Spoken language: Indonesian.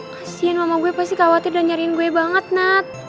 kasian mama gue pasti khawatir dan nyariin gue banget nak